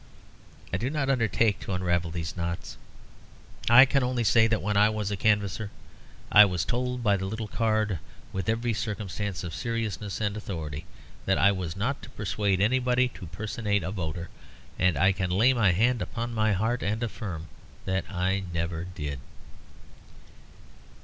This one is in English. I do not undertake to unravel these knots. I can only say that when I was a canvasser I was told by the little card, with every circumstance of seriousness and authority, that I was not to persuade anybody to personate a voter: and I can lay my hand upon my heart and affirm that I never did.